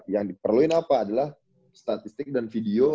yang diperluin apa adalah statistik dan video